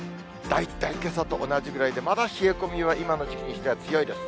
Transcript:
大体けさと同じぐらいで、まだ冷え込みは今の時期にしては強いです。